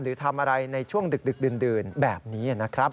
หรือทำอะไรในช่วงดึกดื่นแบบนี้นะครับ